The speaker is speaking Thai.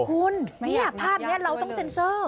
คุณนี่ภาพนี้เราต้องเซ็นเซอร์